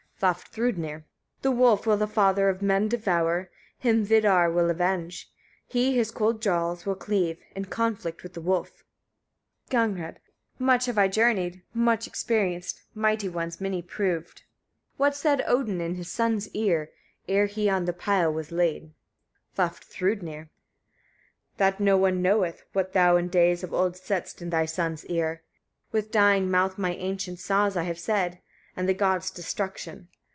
Vafthrûdnir. 53. The wolf will the father of men devour; him Vidar will avenge: he his cold jaws will cleave, in conflict with the wolf. Gagnrâd. 54. Much have I journeyed, etc. What said Odin in his son's ear, ere he on the pile was laid? Vafthrûdnir. 55. That no one knoweth, what thou in days of old saidst in thy son's ear. With dying mouth my ancient saws I have said, and the gods' destruction.